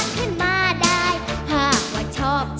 เข้ามาหาเสธ